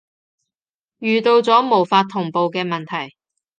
遇到咗無法同步嘅問題